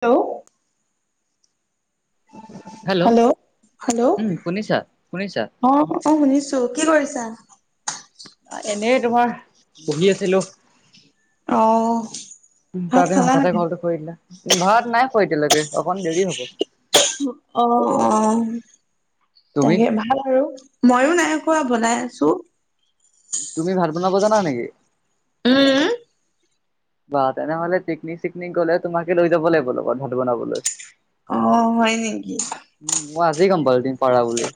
Hello hello hello উম শুনিছা শুনিছা অ', অ ', শুনিছো, কি কৰিছা? এনে তোমাৰ বহি আছিলো। অ তে ভাত তুমি খালা হঠাতে নাই? কলটো কৰিদিলা, ভাত নাই খোৱা এতিয়ালৈকে, অকণ দেৰি হব। অ', অ', তুমি তাকে ভাল আৰু। ময়ো নাই খোৱা, বনাই আছো। তুমি ভাত বনাব জানা নেকি? উম, বা তেনেহলে পিকনিক চিকনিক গ'লে, তোমাকে লৈ যাব লাগিব লগত ভাত বনাবলৈ। অ', হয়, নিকি? উম, মই আজি গম পালো তুমি পাৰা বুলি।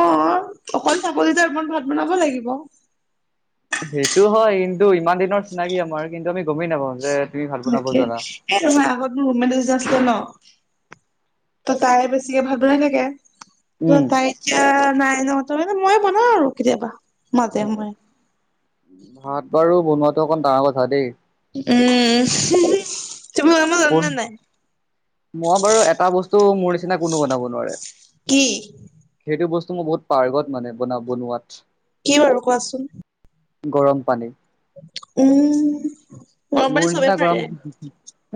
অ', অকল চাবলে যে মই ভাত বনাব লাগিব। সেইটো হয়, কিন্তু, ইমান দিনৰ চিনাকি আমাৰ কিন্তু আমি গমেই নাপাওঁ যে তুমি ভাত বনাব তাকে, জানা এ তোমাৰ আগত যে মোবাইল টো যে আছিলে ন। তাই বেচেৰীয়ে ভাত বনাই থাকে। ত উম তাই এতিয়া নাই ন? তাৰ কাৰণে মানে মই বনাও আৰু কেতিয়াবা মাজে সময়ে। ভাত বাৰু বনোৱাটো অকণ ডাঙৰ কথা দেই। উম, উম। হুহো। [inaudible] মই বাৰু এটা বস্তু মোৰ নিচিনা কোনো বনাব নোৱাৰে। কি? সেইটো বস্তু মই বহুত পাৰ্গত মানে বনা-বনোৱাত! কি বাৰু কোৱাচোন? গৰম পানী। উম। গৰম মোৰ পানী চবে নিচিনা পাৰে। গৰম,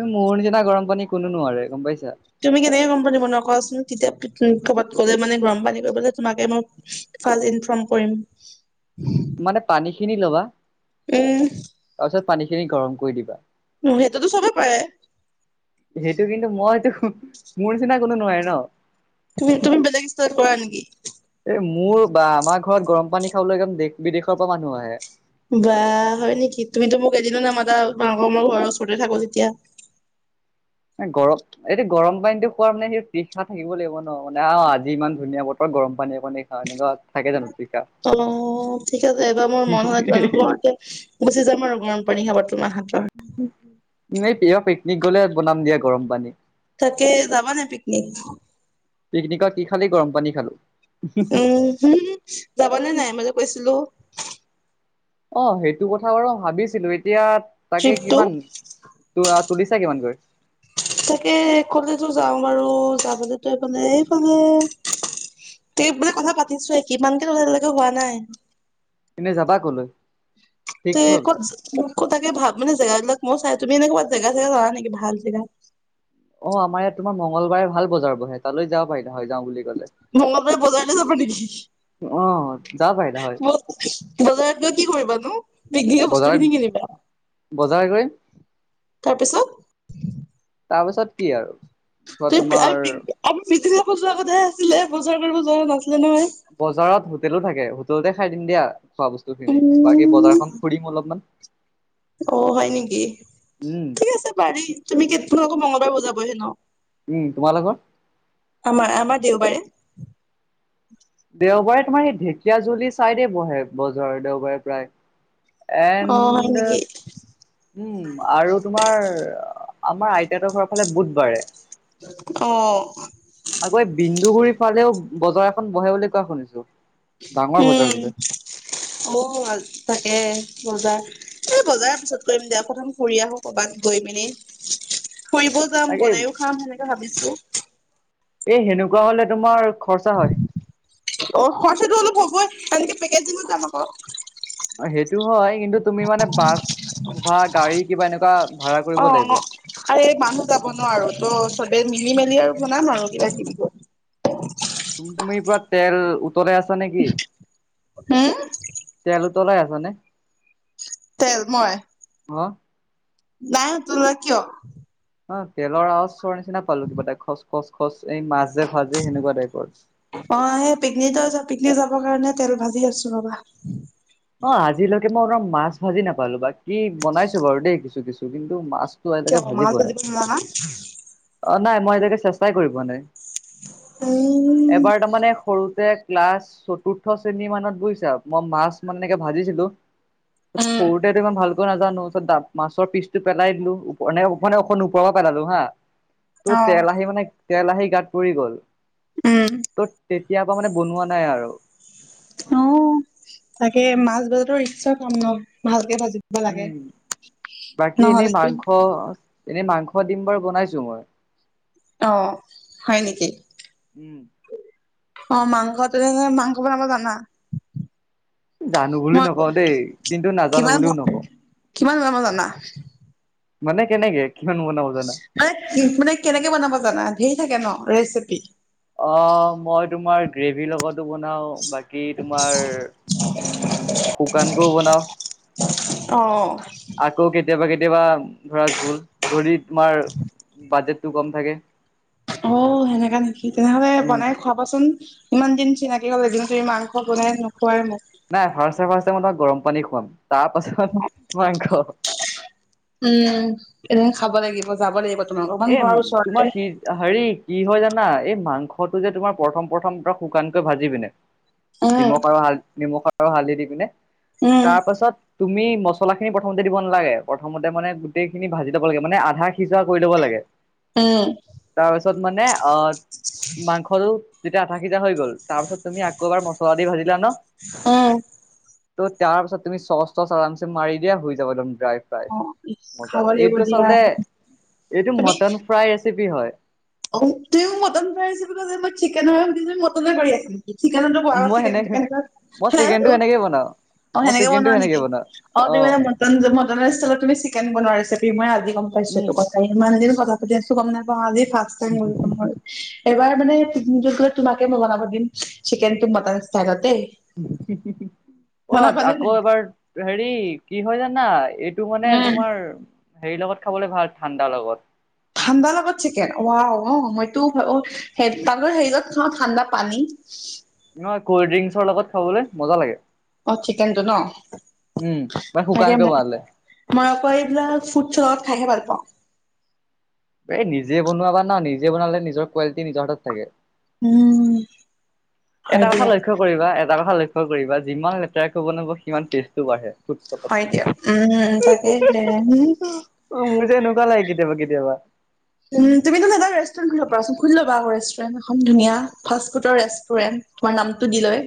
মোৰ নিচিনা গৰম পানী কোনো নোৱাৰে গম পাইছা। তুমি কেনেকে গৰম পানী বনোৱা কোৱাচোন! তেতিয়া, ক-ক'বাত গ'লে মানে গৰম পানী কৰিবলে তোমাকে মই আজি ইনফৰ্ম কৰিম! মানে পানী খিনি ল'বা উম। তাৰপিছত পানী খিনি গৰম কৰি দিবা! উম, সেইটোতো চবে পাৰে? সেইটো কিন্তু মইতো, মোৰ নিচিনা কোনো নোৱাৰে ন? তুমি-তুমি, বেলেগ ইষ্টাইল কৰা নেকি? এই মোৰ বা আমাৰ ঘৰত গৰম পানী খাবলৈ একদম দেশ বিদেশৰ পৰা মানুহ আহে। বা! হয় নেকি? তুমিতো মোক এদিনো নামাতা, তোমালোকৰ মই ঘৰৰ ওচৰতে থাকো যেতিয়া। এ গৰ এইটো গৰম পানীটো খোৱাৰ মানে সেইটো বিখ্যাত থাকিব লাগিব ন? মানে, অ' আজি ইমান ধুনীয়া বতৰ গৰম পানী অকণে খাওঁ। থাকে জানো [inaudible] অ', ঠিক আছে। এইবাৰ মোৰ মাহত জন্ম হওঁতে গুচি যাম আৰু গৰম পানী খাব তোমাৰ হাতৰ। উম, এনে দিয়া পিকনিক গ'লে বনাম দিয়া গৰম পানী। তাকে, যাবা নে পিকনিক? পিকনিকত কি খালি, গৰম পানী খালোঁ। এই কি যাবা নে নাই মই যে কৈছিলো? অঁ সেইটো কথা বাৰু ভাবিছিলো এতিয়া তাকে ট্ৰিপটো? কিমান ত আ তুলিছা কিমান কৈ? তাকে কলেজো যাওঁ বাৰু যাবলৈতো [unintelligible] এইফালে তুলিবলৈ কথা পাতিছোহে কিমান কে তুলিম এতিয়ালৈকে হোৱা নাই। এনেই যাবা কলৈ? তে ফিক্স হ'ল কত মোক ক তাকে ভ মানে জেগাবিলাক মই চাই তুমি এনেক ক'বাত জেগা চেগা জানা নেকি ভাল জেগা? অ', আমাৰ ইয়াত তোমাৰ, মংগলবাৰে ভাল বজাৰ বহে, তালৈ যাব পাৰিলা হয়, যাওঁ বুলি। ক'লে মঙলবাৰে বজালে যাব নেকি? অ যাব পাৰিলা হয় বজাৰত গৈ কি কৰিবা নো, [unintelligible] বজাৰ বস্তু খিনি কিনিবা বজাৰ কৰিম তাৰপিছত তাৰপিছত কি আৰু ধৰা আ তোমাৰ মিটিংগাব যোৱা কথা আছিলে বজাৰ কৰিব যোৱা নাছিলে নহয় বজাৰত হোটেলো থাকে। হোটেলতে খাই দিম দিয়া খোৱা বস্তু খিনি। বাকী উম বজাৰখন খুৰিম অলপমান। অ হয় নেকি? উম ঠিক আছে পাৰি তুমি কেই আকৌ মঙগলবাৰে বুজাব হে ন? উম, তোমালোকৰ। আমাৰ আমাৰ দেওবাৰে। দেওবাৰে তোমাৰ সেই ঢেকীয়াজুলি চাইডে বহে বজাৰৰ দেওবাৰে প্ৰায়। অ হয় নেকি [unintelligible] উম আৰু তোমাৰ আমাৰ আইতাহতৰ ঘৰৰ ফালে বুধবাৰে। অ আকৌ এই, বিন্দুগুৰি ফালেও, বজাৰ এখন বহে বুলি কোৱা শুনিছোঁ। উম, [unintelligible] তাকে বজাৰ। এই বজাৰ পিছত কৰিম দিয়া প্ৰথম ফুৰি আহো কবাত গৈ মেলি ফুৰিব যাম তাকে বনাইও এই খাম সেনেকে ভাবিছো। এ সেনেকুৱা হলে তোমাৰ খৰচা হয় অ খৰচাটো অলপ হ'বই এনেকে পেকেজিঙত যাম আকৌ। সেইটো হয়। কিন্তু তুমি মানে বাছ বা গাড়ী কিবা এনেকুৱাঁ ভাড়া কৰিব অ লাগিব। অ আৰে মানুহ যাব ন আৰু ত' চবে মিলি মেলি আৰু বনাম আৰু কিবা কিবি কৈ। তুমটুমৰিৰ পৰা তেল উতলাই আছা নেকি? হম তেল উতলাই আছা নে? তেল মই হ নাই তোলা কিয়? [unintelligible] অ তেলৰ আৱজ চৰ নিচিনা পালোঁ কিবা এটা খচ খচ খচ এই মাছ যে ভাজে সেনেকুৱা টাইপৰ অ সেই পিকনিত পিকনিক যাবৰ কাৰণে তেল ভাজি আছো ৰবা। অ আজিলৈকে মই তোমাৰ মাছ ভাজি নাপালো বাকী বনাইছো বাৰু দেই কিছু কিছু কিন্তু মাছ কিয় মাছ ভাজিব নোৱাৰা অ নাই মই এতিয়াকে চেষ্টাই কৰি পোৱা নাই উম এবাৰ তাৰমানে সৰুতে ক্লাছ চতুৰ্থ শ্ৰেণী মানত বুজিছা মই মাছ মানে এনেকে ভাজিছিলোঁ উম সৰুতেতো ইমান ভালকৈ নাজানো তাৰপাছত ডা মাছৰ পিচটো পেলাই দিলোঁ ওপৰ নে মানে এনে অকণ ওপৰৰ পৰা পেলালো হা। ত' অ তেল আহি মানে, তেল আহি গাত পৰি গ'ল, উম ত' তে তেতিয়া পৰা মানে বনোৱা নাই আৰু। অ' তাকে, মাছ ভাজটো ৰিস্কৰ কাম ন। ভালকে ভাজি উম, বাকী এনেই নহ'লেতো মাংস এনে মাংস দিম বাৰু বনাইছো মই। অহ' হয় নেকি? উম। অ' মাংস তেনে, মাংস বনাব জানা? জানো বুলি মই নকওঁ দেই, কিন্তু নাজানো কিমান বুলিও নকওঁ। কিমান বনাব জানা? মানে কেনেকে কিমান বনাব জানা। মানে কি কোনে কেনেকে বনাব জানা, ধেই থাকে ন ৰেচিপি। অ' মই তোমাৰ গ্ৰেভীৰ লগতো বনাও বা কী তোমাৰ উম শুকানকৈও বনাও। অ', আকৌ কেতিয়াবা কেতিয়াবা ধৰা জোল যদি, তোমাৰ বাজেটটো কম থাকে। অ' সেনেকা নেকি, তেনে হ'লে উম বনাই খুৱা কচোন, ইমান দিন চিনাকি হ'ল এদিনো তুমি মাংস বনাই নোখুৱাই মোক। নাই ফাষ্টে ফাষ্টে মই তোমাক গৰম পানী খোৱাম। তাৰ পাছত মাংস। উম। এদিন খাব লাগিব, যাব লাগিব, তোমাক অকমান এ ঘৰৰ তোমাৰ ওচৰতে। কি হেৰি কি হয় জানা, এই মাংসটো যে তোমাৰ প্ৰথম প্ৰথম ত শুকানকৈ ভাজি পিনে, উম, নিমখ আৰু হাল নিমখ আৰু হালধি দি পিনে, উম, তাৰপাছত তুমি মছলা খিনি প্ৰথমতে দিব নালাগে। প্ৰথমতে মানে গোটেইখিনি ভাজি থ'ব লাগে, মানে আধা সিজোৱা কৰি ল'ব লাগে। তাকে [unintelligible] উম। তাৰপাছত মানে আ মাংসতো, যেতিয়া আধা সিজা হৈ গ'ল, তাৰপাছত তুমি আকৌ এবাৰ মছলা দি ভাজিলা ন, উম। ত' তাৰ পাছত তুমি চচ তচ আৰাম চে মাৰি দিয়া হৈ যাব দম ড্ৰাই ফ্ৰাই। অ মজা খাব লাগিব এইটো দিয়া আচলতে এইটো মটন ফ্ৰাই ৰেচিপি হয়। অও। তুমিও মোক মটন ফ্ৰাই ৰেচিপি তো জানা মই চিকেনৰ হে সুধিছো, মটনৰ কৈ আছিল। চিকেনতো বোৱা মই চিকেন সেনেকে কেনে মই হে চিকেনটো সেনেকে বনাও অ মই সেনেকে চিকেনটো বনোৱা নেকি বনাও [unintelligible] অ তুমি মানে মটন মটনৰ ষ্টাইলত তুমি চিকেন বনোৱা ৰেচিপি মই আজি গম পাইছো উম এইটো কথা। ইমান দিন কথা পাতি আছো গম নাপাওঁ, আজি ফাষ্ট টাইম গম [unintelligible] এবাৰ মানে পিকনিকটো গ'লে তোমাকে মই বনাব দিম, চিকেনটো মটন ষ্টাইলত দেই। হিঃ হিঃ হিঃ। অ বনাবা নে নাই আকৌ এবাৰ হেৰি কি হয় জানা এই টো মানে তোমাৰ হেৰি লগত খাবলে ভাল ঠাণ্ডা লগত। ঠাণ্ডা লগত চিকেন ৱাও ৱাও, মইতো অ হেৰিত খাওঁ [unintelligible] ঠাণ্ডা পানী [inaudible] নহয় ক'ল্ড ড্ৰিংকছৰ লগত খাবলে মজা লাগে। অ চিকেনটো ন? উম মানে তাকে শুকানকে মই বনালে মই আকৌ এইবিলাক ফ্ৰুইটছৰ লগত খাইহে ভাল পাওঁ। এই নিজে বনাবা না, নিজে বনালে নিজৰ কোৱালিটি নিজৰ তাত থাকে। উম। হয় এটা কথা দিয়া লক্ষ্য কৰিবা, এটা কথা লক্ষ্য কৰিবা, যিমান লেতেৰাকৈ বনাব সিমান টেষ্টটো বাঢ়ে। ফুডষ্টকত হয় দিয়া, উম তাকে। অ মোৰ যে এনেকুৱা লাগে কেতিয়াবা কেতিয়াবা। উম, তুমিটো জানা ৰেষ্টুৰেণ্ট খুলি ল'ব পাৰাচোন, খুলি ল'বা আকৌ ৰেষ্টুৰেণ্ট এখন ধুনীয়া, ফাষ্ট ফুডৰ ৰেষ্টুৰেণ্ট। তোমাৰ নামটো দি লৈ।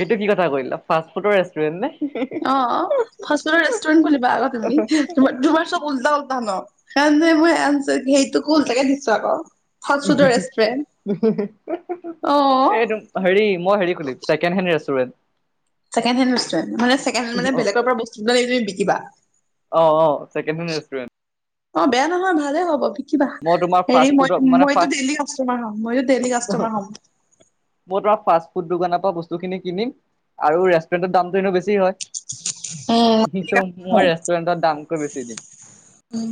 এইটো কি কথা কৈ দিলা, ফাষ্ট ফুডৰ ৰেষ্টুৰেণ্ট নে? অ। ফাষ্ট ফুডৰ ৰেষ্টুৰেণ্ট খুলিবা আকৌ তুমি। তোমাৰ তোমাৰ চব উল্টা পোল্টা ন সেইকাৰণে মই আনিছো সেইটোকো উল্টাকে দিছো আকৌ [unintelligible] ফুডৰ এইটো ৰেষ্টুৰেণ্ট হেৰি মই হেৰি অ খুলিম চাই কেন হেন ৰেষ্টুৰেণ্ট? ছেকেণ্ডহেন ৰেষ্টুৰেণ্ট। মানে ছেকেণ্ডহেন মানে বেলেগৰ পৰা বস্তু লৈ তুমি বিকিবা। অ ছেকেণ্ডহেন ৰেষ্টুৰেণ্ট। অ বেয়া নহয়, ভালে হ'ব। কিবা। মই তোমাৰ হেৰি ফাষ্ট মই ফুডৰ মানে ফাষ্ট মইতো ডেইলি কাষ্টমাৰ হ'ম, মইও ডেইলি কাষ্টমাৰ হ'ম। মই তোমাৰ ফাষ্ট ফুড দোকানৰ পৰা বস্তুখিনি কিনিম, আৰু ৰেষ্টুৰেণ্টত দামটো এনেও বেছি হয়। কিন্তু মই ৰেষ্টুৰেন্টত দামকৈ বেছি দিম। উম।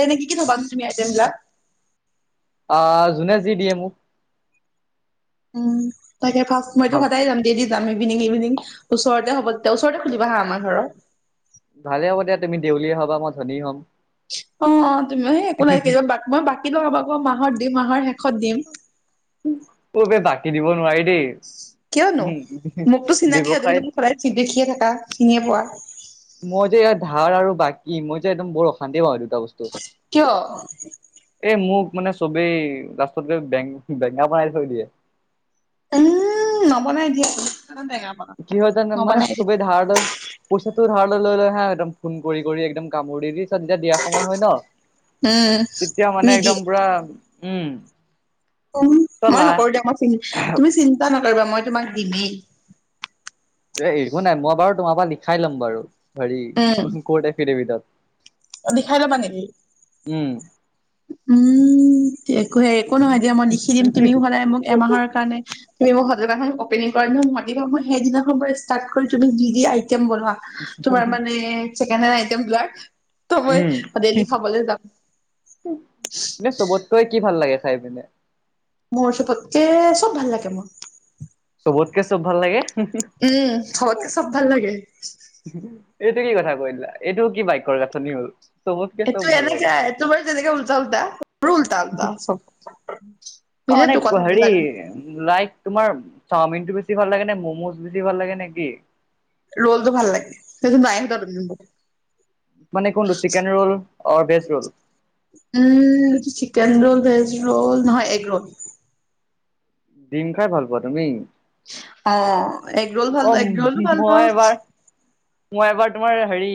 এনেই কি কি থ'বা তুমি আইটেম বিলাক? আ জোনে যি দিয়ে মোক। উম, তাকে ফাষ্ট মইতো ভাল সদায় যাম। ডেইলি যাম ইভিনং ইভিনং, ওচৰতে হ'ব তেতিয়া, ওচৰতে খুলিবা হা, আমাৰ ঘৰত। ভালে হ'ব দিয়া তুমি দেউলীয়া হ'বা মই ধনী হ'ম। অ' তুমি এ, একো নাই, কেই মই বাকী লগাম আকৌ মাহত দি মাহৰ শেষত দিম। কবে বাকী দিব নোৱাৰি কিয়নো দেই। মোকতো চিনাকি হয় তুমি মোক ব্যৱসায়ত সদায় দেখিয়ে থাকা, চিনিয়ে পোৱা। মই যে ইয়াৰ ধাৰ আৰু বাকী, মই যে একদম বৰ অশান্তি পাওঁ এই দুটা বস্তু। কিয়? এ, মোক মানে চবেই লাষ্টত গৈ বেং বেঙা বনাই থৈ দিয়ে। উ, নবনাই দিয়া [unintelligible] কি হয় জানা মানে নবনাই দিয়া। চবেই ধাৰ লয়। পইচাটো ধাৰলৈ লৈ হা, একদম ফোন কৰি একদম কামুৰ দি দি। ছত যেতিয়া দিয়া সময় হয় ন' উম তেতিয়া মানে নিদিয়ে একদম পুৰা, উম। উম, মই চলা নককৰোঁ দিয়া মই, তুমি চিন্তা নকৰিবা মই তোমাক দিমেই। দে একো নাই, মই বাৰু তোমাৰ পৰা লিখাই ল'ম বাৰু, হেৰি ক'র্ড এফডেভিটত। অ' লিখাই ল'বা নেকি? উম। উম, একোহে একো নহয় দিয়া, মই লিখি দিম তুমিও সদায় মোক এমাহৰ কাৰণে তুমি মোক [unintelligible] অপেনিং কৰাৰ দিনা মাতিবা মই সেইদিনা পৰা ষ্টাৰ্ট কৰি তুমি যি যি আইটেম বনোৱা। তোমাৰ মানে ছেকেণ্ড হেণ্ড আইটেমবিলাক। উম, এনে চবতকৈ কি ভাল লাগে খাই পিনে? মোৰ চবতকে, চব ভাল লাগে মোৰ। চবতকে চব ভাল লাগে? উম, চবতকে চব ভাল লাগে। এইটো কি কথা কৈ দিলা, এইটো কি বাক্যৰ গাঁথনি হ'ল। চবতকে চব এইটো ভাল এনেকে লাগে তোমাৰ যেনেকে উলটা উলটা মোৰো উলটা উলটা চব। মিলেতো অনেক হেৰি কথাবিলাক। লাইক তোমাৰ চাওমিনটো বেছি ভাল লাগে নে ম'ম'জ বেছি ভাল লাগে নে কি? ৰ'লটো ভাল লাগে, সেইটো [unintelligible] মানে কোনটো chicken roll or veg roll? উম, চিকেন ৰ'ল ভেজ ৰ'ল, নহয় এগ ৰ'ল। ডিম খাই ভাল পোৱা তুমি? অ, এগ ৰ'ল অ ভাল, এগ ৰ'লো ভাল মই পাওঁ। এবাৰ মই এবাৰ তোমাৰ হেৰি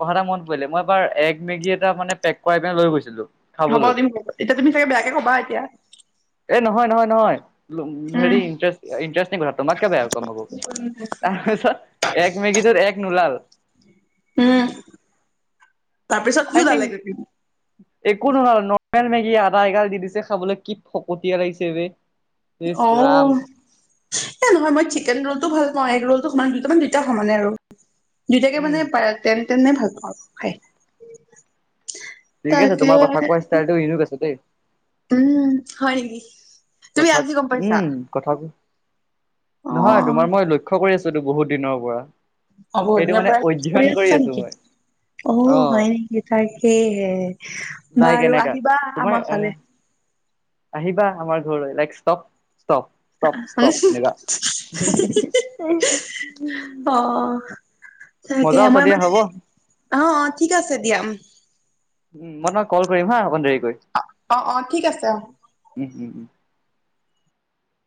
কথা এটা মনত পৰিলে মই এবাৰ এগ মেগী এটা মানে পেক কৰাই পনে লৈ গৈছিলোঁ হ'ব দিম, এতিয়া তুমি চাগে বেয়াকে ক'বা এতিয়া। এ, নহয় নহয় নহয় হেৰি উম ইটাৰেষ্ট কথা তোমাক কে বেয়া ক'ম আকৌ। তাৰপিছত এগ মেগীটোত এগ নোলাল। উম, তাৰপিছত আই কি থিংক উলালেগৈ? একো [unintelligible] নৰ্মেল মেগী আদা এগাল দি দিছে খাবলৈ, কি ফকতীয়া লাগিছে বে। ইচ ৰাম অ'। এ, নহয় মই চিকেন ৰ'লটো ভাল পাওঁ, এগ ৰ'লটো সমান দুট মান দুইটা সমানে আৰু। দুইটাকে উম মানে পা টেন টেনে ভাল পাওঁ খাই। ঠিক আছে তাকে তোমাৰ কথা কোৱা ষ্টাইলটো ইউনিক আছে দেই। উম, হয় নকি? কথাক উম, কথাবো, অ নহয় তোমাৰ মই ল লক্ষ্য কৰি আছোঁতো বহুত দিনৰ পৰা। অ, বহুত এইটো দিনৰ মানে পৰাই ইউজ অধ্যয়ন কৰি আছা আছো নেকি? মই অ, হয় নেকি, তাই হে লাইক বাৰু এনেকা আহিবা তোমাৰ আমাৰ আহ ফালে। আহিবা আমাৰ ঘৰলৈ, লাইক ষ্টপ, প [inaudible] অ, তাকে মজা আছে আমাৰ দিয়া মানে হ'ব অ, অ, ঠিক আছে দিয়া। উম, মই তোমাক কল কৰিম হা, অকণ দেৰিকৈ। অ, অ, অ, ঠিক আছে। অ, উম, উম, উম,